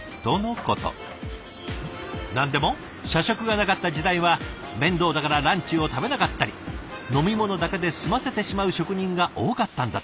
何でも社食がなかった時代は面倒だからランチを食べなかったり飲み物だけで済ませてしまう職人が多かったんだとか。